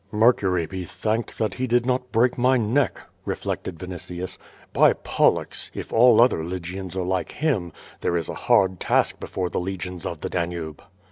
"Mercury be thanked that he did not break my neck!" re flected Vinitius. "By Pollux! if all other Lygians arc like him, there is a hard task before the legions of the Danube."